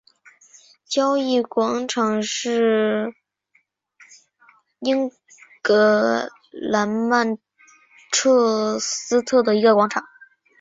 交易广场是英格兰曼彻斯特的一个广场。